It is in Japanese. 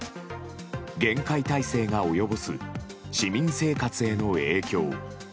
厳戒態勢が及ぼす市民生活への影響。